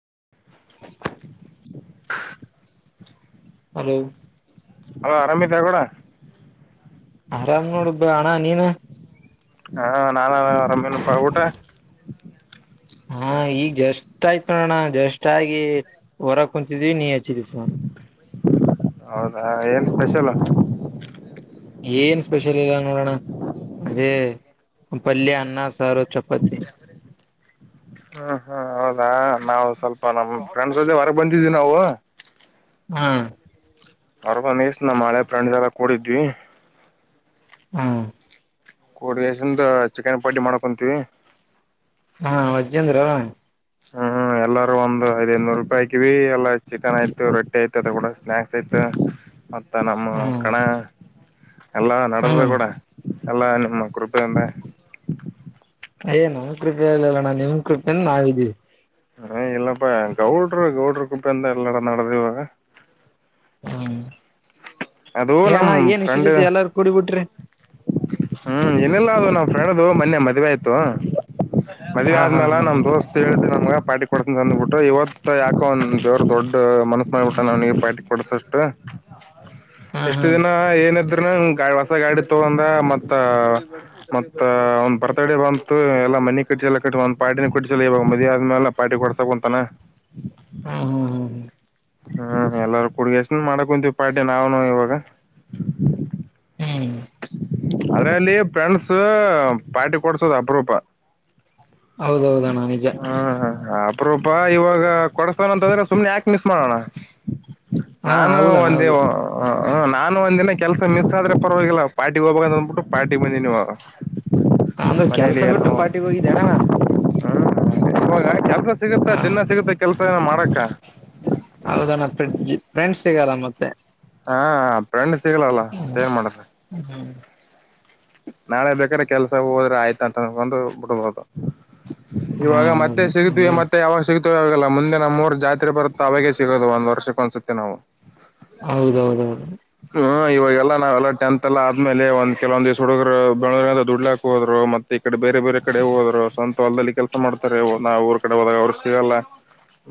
[inaudible] [unintelligible] hello hello ಆರಾಮಿದ್ಯ ಗೌಡ ಆರಾಮ್ ನೋಡುಬ್ಬ ಅಣ್ಣ ನೀನು ಹಾ ನಾನ ಅರಾಮಿನಪ್ಪಾ ಊಟ ಹಾ ಈಗ್ ಜಸ್ಟ್ ಆಯ್ತ್ ನೋಡೋಣ ಜಸ್ಟ್ ಆಗಿ ಹೊರಗ ಕುಂತಿದ್ವಿ ನೀ ಹಚ್ಚಿದ್ವಿ ಫೋನ್ ಹೌದಾ ಏನ್ ಸ್ಪೆಷಲ್ ಏನ್ ಸ್ಪೆಷಲ್ ಇಲ್ಲ ನೋಡಣ ಅದೇ ಪಲ್ಯ ಅನ್ನ ಸಾರು ಚಪಾತಿ [inaudible] [unintelligible] ಹ್ಮ್ ಹ್ಮ್ ಹೌದಾ ನಾವು ಸ್ವಲ್ಪ ನಮ್ ಫ್ರೆಂಡ್ಸ್ ಜೊತೆ ಹೊರಗ ಬಂದಿದ್ವಿ ನಾವು ಹ್ಮ ಹೋರಗ ಬಂದೆಸಿ ನಮ್ಮ ಹಳೆ ಪ್ರಂಡದೆಲ್ಲ ಕೂಡಿದ್ವಿ ಹ್ಮ ಕೋಡ ದಸಂದ ಚಿಕನ್ ಪಾರ್ಟಿ ಮಾಡ್ಕೊಂತೀವಿ ಹಾ ವಜ್ಜೇಂದ್ರಲ್ಲ ಹ ಎಲ್ಲಾರ ಒಂದು ಐದ ಐನೂರು ರೂಪಾಯಿ ಹಾಕಿವಿ ಎಲ್ಲ ಚಿಕನ್ ಆಯ್ತ ರೊಟ್ಟಿ ಆಯತು ಅದು ಕೂಡ ಸ್ನಾಕ್ಸ್ ಯಾತ ಮತ್ತ ನಮ್ಮ ಹ್ಮ್ ಕಣ ಎಲ್ಲ ನಡೆದದ ಹ್ಮ್ ಗೌಡ ಎಲ್ಲ ನಿಮ್ಮ ಕೃಪೆ ಇಂದ ಅಯ್ ನಮ್ ಕೃಪೆಲ್ಲಣ್ಣ ನಿಮ್ ಕೃಪೆಯಿಂದ ನಾವ ಇದ್ದೀವಿ ಹ ಇಲ್ಲಪ್ಪ ಗೌಡರು ಗೌಡ್ರ ಕೃಪ್ಪಿಂದ ಎಲ್ಲರ ನಡೆದವ ಹ್ಮ್ ನಮ್ ಏನಣ್ಣ ಏನ್ ಫ್ರೆಂಡ್ ವಿಶೇಸತಿ ಎಲ್ಲಾರು ಕೊಡಿಬಿಟ್ರಿ ಹ್ಮ್ ಏನಿಲ್ಲ ಅದು ನಮ್ಮ ಫ್ರೆಂಡದು ಮೊನ್ನೆ ಮದ್ವೆೆ ಆಯ್ತು ಮಳ ಹಾ ಹಾ ಆದ್ಮೇಲ ಹಾ ನಮ್ ಹಾ ದೋಸ್ತ್ ಹೇಳ್ದ ನಮ್ಗ ಪಾರ್ಟಿ ಕೊಡಸ ಅಂದ್ಬಿಟ್ಟು ಇವತ್ತು ಯಾಕೋ ಒಂದ ದೇವ್ರ ದೊಡ್ಡ ಮನಸ್ಸ ಮಾಡಿಬಿಟ್ಟ ನನಿಗೆ ಪಾರ್ಟಿ ಕೊಡಸಷ್ಟು ಹಾ ಎಷ್ಟು ಹಾ ದಿನ ಏನಿದ್ರೆ ಹೊಸ ಗಾಡಿ ತಗೊಂಡ ಮತ್ತ ಮತ್ತ ಅವನ್ ಬರ್ತಡ ಬಂತು ಎಲ್ಲ ಮನಿ ಕಟ್ಟಿಸಲ್ಲ ಕಟ್ಟ ಒಂದ ಪಾರ್ಟಿನ ಕುಟ್ಟಿಸಲ್ಲ ಇವಾಗ ಮದ ಆದ್ಮೇಲೆ ಪಾರ್ಟಿ ಕೊಡ್ಸಕ್ ಅಂತಾನ ಹ್ಮ್ ಹ್ಮ್ ಎಲ್ಲಾರ ಕುಡ್ಗಷ್ಟನ ಮಾಡ ಕುಂತೀವಿ ಪಾರ್ಟಿ ನಾವನು ಇವಾಗ ಹ ಅದ್ರಲ್ಲಿ ಫ್ರೆಂಡ್ಸ್ ಪಾರ್ಟಿ ಕೊಡ್ಸೋದ ಅಪರೂಪ ಹೌದೌದಣ್ಣ ನಿಜ ಅಪರೊಪಾ ಇವಾಗ ಕೊಡಸ್ತಾನಂತಂದ್ರೆ ಸುಮ್ನೆ ಯಾಕೆ ಮಿಸ್ ಮಾಡೋಣ ಹಾ ನಾನು ಹೌದಣ್ಣ ಒಂದೇ ಹೌದು ಹ ನಾನು ಒಂದ ದಿನ ಕೆಲಸ ಮಿಸ್ ಆದ್ರೆ ಪರವಾಗಿಲ್ಲ ಪಾರ್ಟಿಗೆ ಹೋಗ್ಬೇಕಂತ ಅಂದ್ಬಿಟ್ಟು ಪಾರ್ಟಿ ಬಂದಿನಿ ಇವಾಗ ಅಂದ್ರೆ [inaudible] ಕೆಲ್ಸ ಬಿಟ್ಟು ಪಾರ್ಟಿಗೆ ಹೋಗಿದ್ದೇಣ್ಣ ಇವಾಗ ಕೆಲ್ಸ ಸಿಗುತ್ತಾ ದಿನ ಸಿಗುತ್ತಾ ಕೆಲ್ಸ ಏನ ಮಾಡಕ್ಕ ಹೌದನ್ನ ಫ್ರೆಂಡ್ಸ್ ಸಿಗಲ್ಲ ಮತ್ತೆ ಹಾ ಫ್ರೆಂಡ್ಸ್ ಸಿಗ್ಲಲ್ಲ ಮತ್ತ ಹ್ಮ ಏನ್ ಮಾಡಿದಿ ಹ್ಮ್ ನಾಳೆ ಬೇಕಾದ್ರೆ ಕೆಲ್ಸ ಹೋದ್ರೆ ಆಯ್ತಂತ ಅನ್ಕೊಂಡು ಬಿಡ್ಬಹದು ಹಾ ಇವಾಗ ಮತ್ತೆ ಸಿಗತವಿ ಹೌದು ಅ ಮತ್ತೆ ಯಾವಾಗ ಸಿಗತ ಅವಲ್ಲ ಮುಂದೆ ನಮ್ಮೂಊರು ಜಾತ್ರೆ ಬರುತ್ತ ಅವಾಗೇ ಸಿಗೋದು ಒಂದ ವರ್ಷಕ್ಕೆ ಅನ್ಸುತ್ತೆ ನಾವು ಹೌದೌದೌದು ಇವಾಗಲ್ಲ ನಾವೆಲ್ಲ ಟೆಂತ್ ಅಲ್ಲ ಆದ್ಮೇಲೆ ಒಂದ ಕೆಲವೊಂದ ದಿವ ಹುಡುಗರು ಬೆಳರಿಂದ ಡ್ಲಾ ಹೋರು ಮತ್ತೆ ಈ ಕಡೆ ಬೇರೆ ಬೇರೆ ಕಡೆ ಹೋದ್ರುವಂತ ಸಂತ ಹೊಲದಲಿ ಕೆಲಸ ಮಾಡ್ತಾರೆ ನಾವವು ಊರ್ ಕಡೆ ಹೋದಾಗ ಅವರು ಸಿಗಲ್ಲ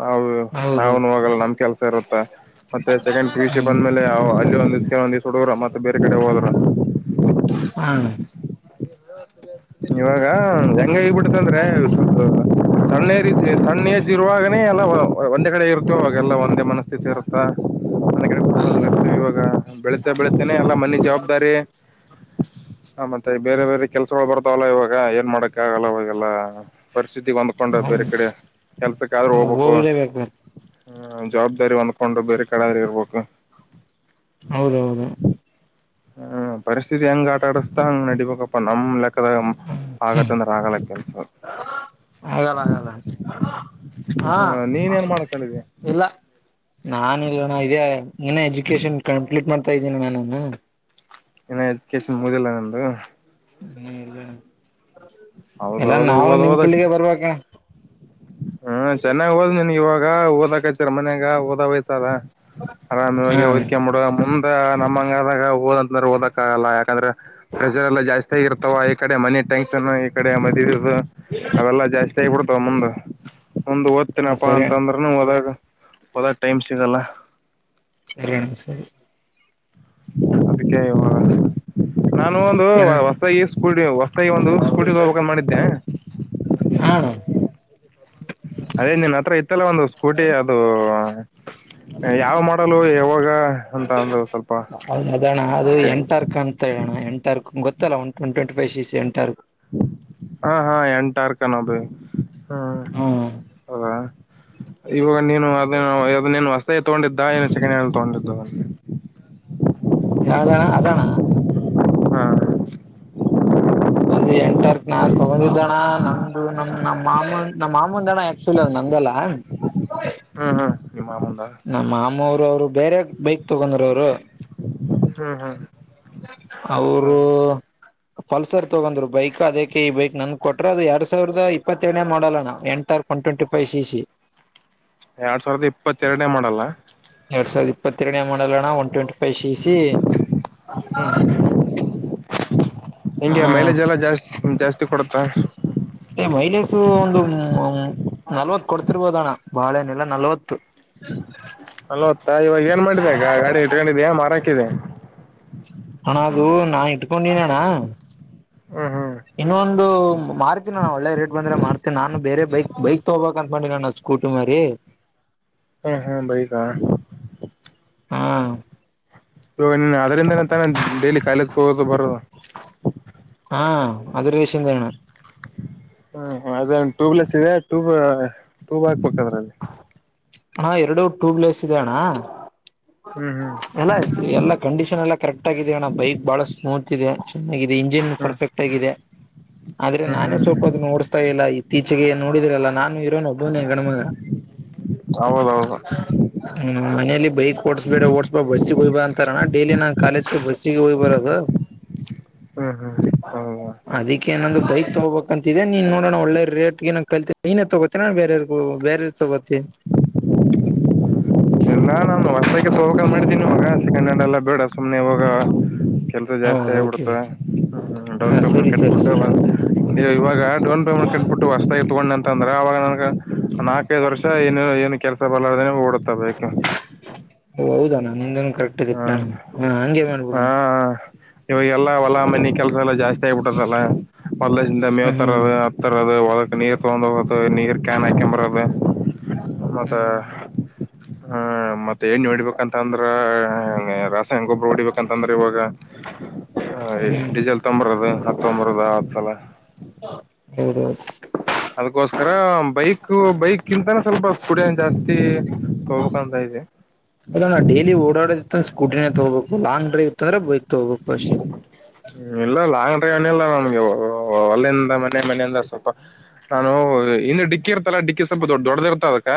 ನಾವು ಹೌದೌದು ನಾವ್ನು ಹೋಗಲ್ಲ ನಮ್ ಕೆಲ್ಸ ಇರುತ್ತ ಮತ್ತೆ ಸೆಕೆಂಡ್ ಪಿಯುಸಿ ಹ್ಮ್ ಬಂದ್ಮೇಲೆ ಅಲ್ಲಿ ಹುಡುಗ್ರ ಮತ್ತೆ ಬೇರೆ ಕಡೆ ಹೋಗಲ್ರ ಹಾ ಇವಾಗ ಹೆಂಗ ಹಬಿಡ್ತಂದ್ರೆ ಸಣ್ಣತಿ ಸಣ್ಣಸ ಇರುವಾಗನೇ ಎಲ್ಲ ಒಂದೇ ಕಡೆ ಇರುತ್ತೋ ಅವಾಗೆಲ್ಲ ಒಂದೇ ಮನಸ್ಥಿತಿ ಇರುತ್ತಾ ಹೌದ ಮನೆ ಇವಾಗ ಬೆಳಿತ ಬೆಳತೇನೆ ಎಲ್ಲ ಮನೆ ಜವಾಬ್ದಾರಿ ಹ ಮತ್ತೆ ಬೇರೆ ಬೇರೆ ಕೆಲ್ಸಗಳು ಬರ್ತಾವಲ್ಲ ಇವಾಗ ಏನ್ ಮಾಡಕ್ ಈಾಗಲ್ಲ ಅವಾಗಲ್ಲ ಪರಿಸ್ಥಿತಿ ಹೊಂದ್ಕೊಂಡ ಬೇರೆ ಕಡೆ ಕೆಲ್ಸಕ್ಕ ಆದ್ರೂ ಹೋಗ್ಬೇಕು ಹ ಹ್ಮ ಜವಾಬ್ದಾರಿ ಹೊಂದ್ಕೊಂಡು ಬೇರೆ ಕಡೆಆದ್ರುವೆ ಇರ್ಬೇಕು ಹೌದೌದು ಹ್ಮ್ ಪರಿಸ್ಥಿತಿ ಹೆಂಗ ಆಟ ಆಡಿಸತಾ ಹಂಗ್ ನಡಡಿಬೇಕಪ್ಪ ನಮ್ ಲೆಕ್ಕ ದ ಆಗತ್ತಂದ್ರೆ ಆಗಲ್ಲ ಕೆಲಸ ಹಲ್ಲ ಅಲ್ಲ ಹಾ ನೀನ್ ಏನ್ ಮಾಡ್ಕೊಂಡಿದಿ ಇಲ್ಲ ನಾನ ಇಲ್ಣ ಇದೇ ನಾನ ಎಜುಕೇಶನ್ ಕಂಪ್ಲೀಟ್ ಮಾಡ್ತಾ ಇದ್ದೀನಿ ನಾನ ಇನ್ ಎಡಿಕೇಶನ್ ಮುುದಿಲ್ಲ ನಿಂದು ಹ್ಮ್ ಇಲ್ಲಣ ಹೌದೌದು ಹದ ಹದ ಫೀಲ್ಡ್ಗೆ ಬರ್ಬೇಕಣ ಹ್ಮ ಚೆನ್ನಾಗ್ ಹೋದ ನನ್ಗೆ ಇವಾಗ ಆ ಓದಕಚ್ಚರ ಮನ್ಯಾಗ ಓದ ವಯ್ಸದ ಹಾ ಆರಾಮವಾಗಿ ಓದ್ಕೆ ಮಾಡಡುವ ಮುಂದ ನಮ್ಮಂಗಾದಾಗ ಓದಂತಂದ್ರೆ ಓದಕ್ಕ ಆಗಲ್ಲ ಯಾಕಂದ್ರೆ ಪ್ರೆಸರ್ ಎಲ್ಲ ಜಾಸ್ತಿ ಆಗಿರ್ತಾವ ಈ ಕಡೆ ಮನೆ ಟ್ಯಾಂಕ್ ಈ ಕಡೆ ಮದುವ ಅವೆಲ್ಲಾ ಜಾಸ್ತಿ ಆಗಿಬಡ್ತಾವ ಮುಂದ ಒಂದ್ ಹ ಓದ್ತನಪ್ಪಾ ಸರಿ ಅಣ್ಣ ಅಂತಂದ್ರನು ಹೋದಾಗ ಹದಾಗ ಟೈಮ್ ಸಿಗಲ್ಲ ಸರಿಣ್ಣ ಸರಿ ಅದಕ್ಕೆ ನಾನು ಒಂದು ಮತ್ತೇಣ ಹೊಸತಾಗಿ ಸ್ಕೂಟಿ ಹೊಸ್ತಾಗಿ ಒಂದು ಸ್ಕೂಟಿ ಹೋಗ್ಬೇಕ ಮಾಡಿದ್ದೆ ಹಾ ಅದೇ ನಿನ್ ಹತ್ರ ಇತ್ತಲ್ಲ ಒಂದು ಸ್ಕೂಟಿ ಅದು ಯಾವ ಮಾಡಲು ಯಾವಾಗ ಅಂತ ಅಂದು ಸ್ವಲ್ಪ ಹೌದ ಅದಣ ಅದು ಎಂಟಾರ್ಕ ಅಂತ ಹೇಳೋಣ ಎಂಟಾರ್ಕ ಗೊತ್ತ [inaudible] ಹಾ ಹಾ ಎಟಾರ್ಕಾನ ಅದು ಹ್ಮ್ ಅೌದಾ ಇವಾಗ ನೀನು ಅದೇ ನೀನು ಹೊಸ್ತೆ ತಗೊಂಡಿದ್ದ ನು ಚೆ ತಗೊಂಡಿದ್ದ ಹ್ಮ ಯಾವ್ದಣ್ಣ ಅದಣ ಹಾ ಅದ ಎಂಟಾರ್ಕ್ ನ ತೊಗೊಂಡ ದಣ ನಮ್ದು ನಮ್ ನಮ್ಮ ಮಾನ್ ನಮ್ ಮಾಮೂನ್ ದಣ ಆಕ್ಚುಲ್ ಅ ನ ನಂದಳ ಹಾ ಹಾ ನಮ್ಮ ಮಾಮೂರು ಅವ್ರು ಬೇರೆ ಬೈಕ್ ತಗೊಂಡರು ಅವ್ರು ಹ್ಮ್ ಹ್ಮ್ ಹ ಅವರು ಪಲ್ಸರ್ ತೊಗಂದ್ರು ಬೈಕ್ ಅದಕ್ಕೆ ಈ ಬೈಕ್ ನನ್ ಕೊಟ್ರರು ಅದು ಎರಡ್ ಸಾವಿರದ ಇಪ್ಪತ್ತೇಳಏನೇ ಮಾಡೋಲ್ಲ ನಾ ಎಂಟ ಒನ್ ಟ್ವೆಂಟಿ ೈವ್ ಸಿ ಎರಡ್ ಸಾವಿರದ ಇಪ್ಪತ್ತೆರಡನೇ ಮಾಡಲ್ಲ ಎರಡ್ ಸಾವಿರದ ಇಪ್ಪತ್ತೆರಡನ ಮಾಡಲಣ one twenty five C C ಹ್ಮ್ ಹಿಂಗೆ ಆ ಮೈಲೇಜ್ ಎಲ್ಲಾ ಜಾಸ್ತಿ ಜಾಸ್ತಿ ಕೊಡುತ್ತಾ ಮೈಲೇಶು ಒಂದು ನಲ್ವತ್ ಕೊಡ್ತಿರ್ಬೋದಣ್ಣ ಬಾಳೆನೆೆಲ್ಲ ನಲ್ವತ್ ಅಲ ಹೊತ್ತ ಇವಾಗ ಏನ್ ಮಾಡಿದೆ ಅಗ ಗಾಡಿ ಇಟ್ಕೊಂಡಿದ ಮಾರಾಕಿದೆ ಹಣದು ನಾ ಇಟ್ಕೊಂಡನಣ್ಣ ಹ್ಮ್ ಹ್ಮ್ ಇನ್ನೊಂದು ಮಾರ್ತೀನಿ ನಾನು ಒಳ್ಳೆ ರೇಟ್ ಬಂದ್ರೆ ಮಾರ್ತೀನಿ ನಾನು ಬೇರೆ ಬೈಕ್ ಬೈಕ್ ತಗೋಬಬೇಕಕ್ ಅಂದತ್ಕೊಂಡಿ ನನ್ ಸ್ಕೂಟಿ ಮರಿ ಹ್ಮ ಹಾ ಬೈಗ ಹಾ ಇವಾಗ ನೀನು ಅದರಿಂದ ತಾನ ಡೈಲಿ ಕಾಯಿೇಜ ಹೋಗೋದು ಬರದು ಹಾ ಅದರ ವಿಷಯಂ ಕಣ ಹ್ಮ ಅದ ಟ್ಯೂಬ್ ಲೆಸ್ ಇದೆ ಟ್ಯೂಬ್ ಟ್ಯೂಬ್ ಹಾಕ್ಬೇಕ ಅದ್ರಲ್ಲಿ ಹಾ ಎರಡು ಟೂಬ್ಲೇಸ್ ಇದೆ ಅಣ್ಣ ಹ್ಮ್ ಹ್ಮ್ ಎಲ್ಲ ಎಲ್ಲ ಕಂಡೀಷನ್ ಎಲ್ಲಾ ಕರೆಕ್ಟ್ ಆಗಿದ ಅಣ್ಣ ಬೈಕ್ ಬಾಳ ಸ್ಮೂತ್ ಇದೆ ಚೆನ್ನ ಇಂಜಿನ್ ಹ್ಮ್ ಪರ್ಫೆಕ್ಟ್ ಆಗಿದೆ ಆದ್ರೆ ಹ್ಮ್ ನಾನೇ ಹ್ಮ್ ಸ್ವಲ್ಪ ಅದು ಹ್ಮ್ ನೋಡಸ್ತಾ ಇಲ್ಲ ಇೀಚೆಗೆ ನೋಡಿದ್ರಲ್ಲ ನಾನು ಇರೋ ನ ಒಬ್ಬನೇ ಗಣಮಗ ಹೌದೌದು ಹ್ಮ್ ಮನೇಲಿ ಬೈಕ್ ಓಡಸ್ಬೇಡ ಓಡಸ್ಬೇ ಬಸ್ಸಿಗೆ ಹಯ್ೇ ಅಂತಾರ ಡೇಲಿ ನನ್ ಕಾಲೇಜ್ ಬಸ್ಸಿಗೆ ಹೋಗಯ್ ಬರೋದು ಹ್ಮ್ ಹ್ಮ್ ಹೌದಾ ಅದಕ್ಕೆೇಏನೊಂದು ಬೈಕ್ ತಗೋಬೇಕಂತ ಇೇ ನೀನ್ ನೋಡೋಣ ಒಳ್ಳೆ ರೇಟ್ಗೆ ನ ಕಲ್ನೇ ತಗೋತೀ ಬೇರೆ ಬೇ ಸ ಬಿ ಎಲ್ಲಾ ನಾನು ಹೊಸ್ತಕ್ಕೆ ತಗಕೊಂಡ್ ಮಾಡಿದೀನಿ ಮಗ ಹಸಿ ಕನ್ನಡಲ್ಲ ಬಿೇಡ ಸುಮ್ಮನೆ ಹೋಗ ಕೆಲಸ ಜಾಸ್ತಿ ಹೌದ ಓಕೆ ಆಗಿಬಿಡುತ್ತೆ ಹಾ ಡೌನ್ ಪೇಮೆಂಟ್ ಸರಿ ಸರಿ ಕಟ್ಬಿಟ್ಟು ಸರಿ ಬಂದು ನೀವು ಇಾಗ ಡೌನ್ ಪೇಮೆಟ್ಬಿಟ್ಟು ವಸತ ಇ ತಗೊಂಡ ಅಂತ ಅಂದ್ರೆ ಆಾಗ ನನ ನಾಲ್ಕೈದು ವರ್ಷ ಏನು ಏನು ಕೆಲಸ ಬರ್ಾರ್ದ ಓಡುತ್ತ ಹೌದಾನ ನಿಂದನ್ ಕರೆಕ್ ಇ ಹಾ ಪಲಾನ ಹ ಹಂಗಗೆ ಮಾಡ್ಬಣ ಇವಾಗೆಲ್ಲ ಹೊಲ ಮನಿ ಕೆಲಸ ಎಲ್ಲ ಜಾಸ್ತಿ ಆಗಿಬಿಟ್ಟದಲ್ಲ ಹೊಲಸಿಂದ ಮೇವ್ ಹ್ಮ್ ಹ್ಮ್ ತರೋದು ಹತ್ತ ತರೋದು ಹೊ ನೀರ್ ತಗೊಂಡ ಹೋಗ ನೀರ್ ಕ್ಯಾನ್ ಹಾಕಂಬರದೆ ಮತ್ತೆ ಹ್ಮ್ ಹ ಮತ್ತ ಏನ್ ನಡ್ಬೇಕಂತ ಅಂದ್ರ ರಾಸಾಯನ ಗೊಬ್ಬ್ರ ಹೊಡಿಬೇಕಂತಂದ್ರ ಇವಾಗ ಹ್ಮ್ ಹ್ಮ್ ಡೀಸೆಲ್ ತಂಬರದು ಹತ್ ತೊಂಬರದ ಆ ಸಲ ಹ ಅದಕ್ಕೋಸ್ಕರ ಬೈಕ್ ಬೈಕ್ಿಂತಾನ ಸ್ವಲ್ಪ ಕುಡಂ ಜಾಸ್ತಿ ತಗೋಕಂತ ಇದೆ ಅದ ನಾ ಡೈಲಿ ಓಡಾಡದ ಸ್ಕೂಟಿನೇ ತಗೋಬೇಕು ಲಾಂಗ್ ಡೈವ್ ಅಂದೆ ಬಯ ಇಲ್ಲ ಲಾಂಗ್ ಡ್ರೈವ್ನಲ್ಲ ನಮ್ಗೆ ಹೊಲ್ಲಿಂದ ಮ ಮನೆ ಮನೆಯ ಅಂದ್ರ ಸ್ವಲ್ಪ ನಾನು ಇಂದು ಡಿಕ್ಕಿ ಇರ್ತಲ್ಲಾ ಡಿಕ್ಕಿ ಸ್ವಲ್ಪ ದೊಡ್ಡ ದೊಡ್ಡ್ದ ಇರ್ತ ಅದಕ್ಕ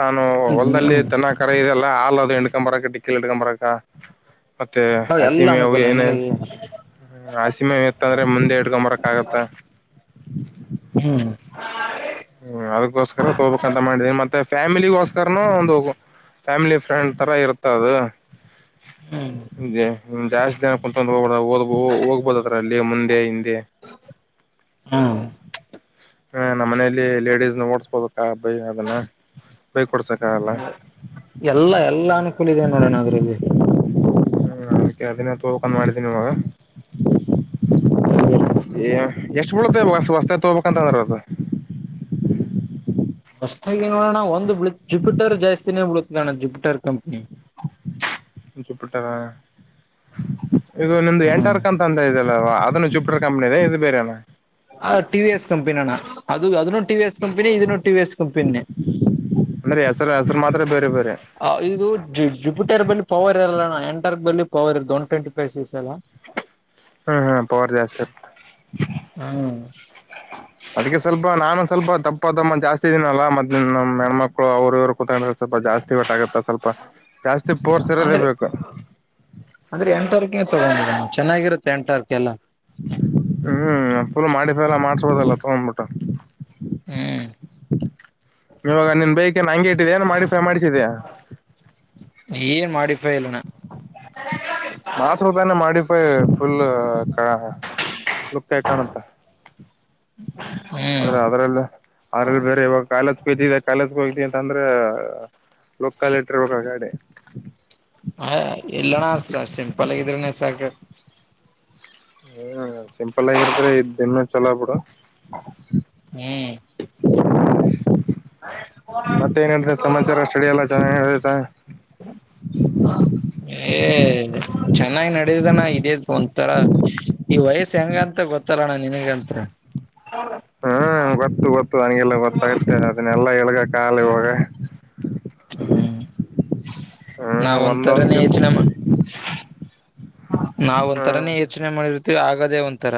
ನಾನು ಹ್ಮ್ ಹೊಲ್ದಲ್ಲಿ ಹ್ಮ್ ದನ್ನ ಕರ ಇದೆಲ್ಲಾ ಹಾ ಅದು ಇಿಡ್ಕೊಂಬರಕ ಡಿಕ್ಕಿಲ್ ಹಿಡ್ಕೊಂಬರಕ ಮತ್ತೆ ಹ ಎಲ್ಲ ಸೀಮೆ ಅವು ಅನುಕೂಲ ಏನ ನನ್ಗೆಲ್ಲ ಆಸೀಮೆ ಇತ್ತ ಅಂದ್ರೆ ಮುಂದೆ ಇಡ್ಕೊ ಬರಕ್ ಆಗತ್ತ ಹ್ಮ್ ಹ್ಮ್ ಅದಕ್ಕೋಸ್ಕರ ತಗೋ್ಬೇಕಕ್ಂತ ಮಾಡಿದೀನಿ ಮತ್ತೆ ಫ್ಯಾಮಿಲಿಗೋಸ್ಕರನ ಒಂದು ಫ್ಯಾಮಿಲಿ ಫ್ರೆಂಡ್ ಥರ ಇರ್ತದು ಹ್ಮ್ ೇ ಜಾಸ್ತಿ ಜನ ಕು ಹೋಗಬಬ ಹೋಗ್ಬೋದತ್ರ ಅಲ್ಲಿ ಮುಂದೆ ಹಿಂದ ಹ್ಮ್ ಹ ನಮ್ಮನ ಲೇಡೀಸ್ ನ ಓಡಸ್ಬೋದ ಬೈ ಅದನ್ನ ಬೈ ಕೊಡ್ಸಕ್ ಹ ಎಲ್ಲಾ ಎಲ್ಲಾ ಅನುಕೂಲ ಇದೆ ನೋಡೋಣಗರಲ್ಲಿ ಹ್ಮದದನ್ನ ತೋಕೊೊಂಡ ಮಾಡಿದ್ದೀನಿ ಮ ಹ್ಮ ಕದಿರಾನ ಏ ಎಷ್ಟು ಬಳತ ಇವಾಗ ಸ್ ಹೊಸ್ತೆ ತೋಬೇಕಂತ ಅಂದ್ರದು ಹೊಸ್ತಾಗಿ ನೋಡೋಣ ಒಂದುಳ ಜುಪಿಟರ್ ಜಾಸ್ತಿನೇ ಬಿಳತೋಣ ಜುಪಿಟರ್ ಕಂಪ್ನಿ ಚಿಪಿಟ್ಟಾರ ಈಗ ನಿಮ್ದು ಹ್ಮ್ ಎಂಟರ್ಕ್ ಅಂತ ಅಂದ ಇದ ಅದನ್ನು ಚೂಪ್ಟರ್ ಕಂಪ್ನಿ ಇದುೇಣ ಅ ಟಿ ಎಸ್ ಕಂಪನಿ ಅಣ್ಣ ಅದು ಅದನ್ನು ಟಿ ಎಸ್ ಇದೂನು ಟಿವ್ಸ್ ಕಂಪನಿ ನೇ ಅಂದ್ರೆ ಹೆಸರು ಮಾತ್ರ ಬೇರೆ ಬೇರೆ ಆ ಇದು ಜುಪಿಟರ್ ಬಲ್ಲಿ ಪವರ್ ಇರಲ್ಲಣ್ಣ ಎಂಟರ್ ಬ ಪವರ್ ಇರ ಒನ್ ಟ್ವೆಂಟಿ ಪೈ ಹ್ಮ್ ಹಾ್ ಪವರ್ ಜಾಸ್ತಿ ಹ್ಮ್ ಅದಕ್ಕೆ ಸ್ವಲ್ಪ ನಾನು ಸ್ವಲ್ಪ ತಪ್ಪ ಪ್ಪ ತಮ್ಮ ಜಾಸ್ತಿ ಇದಿನನಲ್ಲ ಮತ್ತೆ ನಮ್ಮ ಹೆಣ್ಮಕ್ಳು ಅವರು ಇವರು ಕೂತ ಸ್ವಲ್ಪ ಜಾಸ್ತಿ ಒಟ್ಟಾಗುತ್ತ ಸ್ವಲ್ಪ ಜಾಸ್ತಿ ಪೋರ್ಸರದೇ ಅಂದ್ರೆ ಬೇಕು ಅಂದ್ರೆ ಎಂಟ ತಾರಕಿನ ತಗೊಂಡ ಚೆನ್ನಾಗಿರುತ್ತೆ ಎಂಟ ತಾರಕ ಎಲ್ಲ ಹ್ಮ್ ಫುಲ್ ಮಾಡಿಫಲ್ಲ ಮಾಡ್ಸಬೋದಲ್ಲ ತಗೊಂಡ್ಬಿಟ್ಟು ಹ್ಮ್ ಇವಾಗ ನಿನ್ ಬೈಕನ್ ಹಂಗಗೆ ಇಟ್ಟಿದೆ ಏನ ಮೋಡಿಫ್ಯ್ ಮಾಡಿಸಿದಯ ಡಿಫೈನ ಮಾತ್ ಸ್ವಲ್ಪ ಏನ ಮಾಡಿಪೈ ಫುಲ್ ಹ ಹ ಲುಪ್ತಾಯ ಕಾಣಂತ ಹ್ಮ್ ಆದ್ರೆ ಅದ್ರಲ್ಲ ಅದ್ರಲ್ಲಿ ಬೇರೆ ಇವಾಗ ಕಾಯಲೆ ಬಿದೆ ಕಾಲೇಜಗೆ ಹೋಗತಿ ಅಂತ ಅಂದ್ರ ಲೊಕಾಲಿಟ್ರ ಹೋಗ ಗಾಡಿ ಹ ಇಲ್ಲಣಸ ಸಿಂಪಲ್ ಆಗಿದ್ರನೆ ಸಾಕ ಹ್ಮ್ ಸಿಂಪಲ್ ಆಗಿರದ್ರೆ ಇದ ಇನ್ನು ಚಲೋ ಬಿಡು ಹ್ಮ್ ಹ ಮತ್ತೆ ಏನ್ ಹೇಳ್ತ ಸಮಾಚಾರ ಸ್ಟಡಿ ಎಲ್ಲ ಚೆನ್ನಾಗತ ಏ ಚೆನ್ನಾಗಿ್ ನಡದಾನ ಇದೇದ ಒಂಥರ ಈ ವಯಸ್ಸ ಹೆಂಗ ಅಂತ ಗೊತ್ತರೋಣ ನೀನ್ೇಗೆ ಹೇಳ್ತ ಹ್ಮ್ ಗೊತ್ತು ಗೊತ್ತು ನನಗೆಲ್ಲ ಗೊತ್ತಾಗರ್ತದೆ ಅದನ್ನಲ್ಲಾ ಎಳ್ಗ ಕಖಾಲಿ ಹಾಗ ಹ್ಮ್ ನಾವ ಹ್ಮ್ ಒಂದೊಂದ್ ಒಂಥರನ ಕೆ ಯಚನೆ ನಾವ ಹ್ಮ್ ಒಂಥರಾನೇ ಯೋಚನೆ ಮಾಡಿರ್ತೀವಿ ಆಗದೇ ಒಂಥರ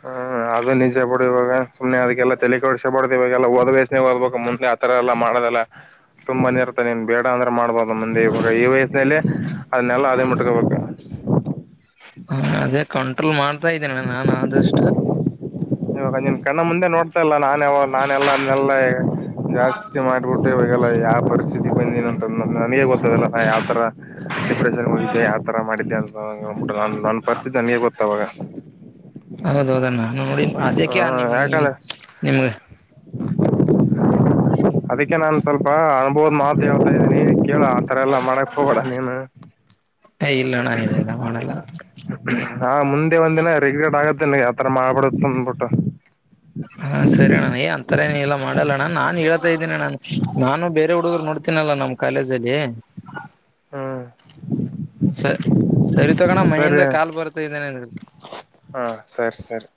ಹ್ಮ ಅದು ನಿಜೆ ಬಡ ಇವಾಗ ಸುಮ್ಮನೆ ಅದಕ್ಕೆಲ್ಲ ತೆ ಕೊಡಸಬಡ ಇವಾಗಲ್ಲಾಓದ್ೇನೆೇ ಓದ್ಬೇಕಕ್ ಮುಂದೆ ಆತರ ಎಲ್ಲ ಮಾಡೋದಲ್ಲ ತುಂಬನೇ ಇರುತ್ತ ನೀನ್ ಬೇಡ ಅಂದ್ರೆ ಮಾಡ್ಬೋದು ಮುಂದೆ ಇವಾಗ ಈ ವಯಸ್ಸಿನಲ್ಲಿ ಅದನ್ನೆಲ್ಲ ಅೇ ಮಟ್ಟಿಗೆ ಬಕ ಹಾ ಅದೇ ಕಂಟ್ರೋಲ್ ಮಾಡ್ತಾ ಇದ್ದೇನೆ ನಾನನ್ ಆದಷ್ಟು ಇವಾಗ ನಿನ್ ಕಣ್ಣ ಮುಂದೆ ನೋಡ್ತಾ ಇಲ್ಲ ನಾನ ನಾನೆಲ್ಲಾ ಅದನ್ನೆಲ್ಲ ಜಾಸ್ತಿ ಮಾಡ್ಬಿಟ್ಟು ಾಗಲ್ಲ ಯಾವ ಪರಿಸ್ಥಿತಿ ಬಂದಿನನಂತ ನನಗ ಗೊತ್ತದಲ್ಲ ಯಾವ್ರ ಡಿಪ್ರೆಷನ್ ಹೋಗಿದ್ದೆ ಯಾವತರ ಮಾಡಿದ್ದೆ ಅಂತಬ ಹೌದೌದಮ್ಮ ನ ನೋಡಿ ಅದಕ್ಕೆ ನಿಮ ನಿಮ ಯಾಕಂದ್ರೆ ನಿಮಗೆ ಅದಕ್ಕೆ ನಾನ್ ಸ್ವಲ್ಪ ಅನುಭೋದ್ ಮಾತು ಹೇಳ್ತಾ ಇದನಿ ಕೇಳ ಆತರ ಎಲ್ಲಾ ಮಾಡಕ್ ಹೋಗೋಡ ನೀನು ಇಲ್ಲಣ್ಣ ಇದೆಲ್ಲ ಮಾಡಲ್ಲ ಹಾ ಮುಂದೆ ಒಂದ್ಿನ ರರಿಗ್ಗಡ್ ಆಗುತ್ತೆಗೆ ಆತರ ಮಾಡ್ಬಡ [inaudible] ಹಾ ಸರಿ ಅಣ್ಣ ಅಂತರ ಏನ ಎಲ್ಲಾ ಮಾಡಲ್ಲ ನಾನನ್ ಹೇಳ್ತಾ ಇದ್ದೀನಿ ನಾನು ಬೇರೆ ಹುಡುಗರು ನೋಡ್ತೀನಲ್ಲ ನಮ್ ಕಾಲೇಜಲ್ಲಿ ಹ್ಮ್ ಸ ಸರಿ ತಗೋಣ ಸರಿ ಮನೆಯಿಂದ ಕಾಲ್ ಬರ್ತಾ ಇದ್ದೇನೆ ಹಾ ಸರಿ ಸರಿ